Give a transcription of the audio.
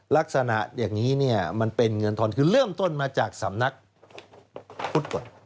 ลักษณะอย่างนี้เนี่ยมันเป็นเงินทอนคือเริ่มต้นมาจากสำนักพุทธก่อน